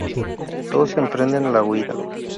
Todos emprenden la huida.